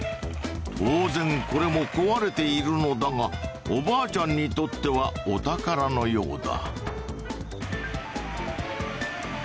当然これも壊れているのだがおばあちゃんにとってはお宝のようだ。